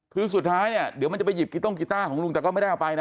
คือสุดท้ายเนี่ยเดี๋ยวมันจะไปหยิบกีต้งกีต้าของลุงแต่ก็ไม่ได้เอาไปนะ